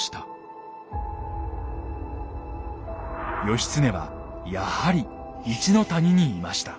義経はやはり一の谷にいました。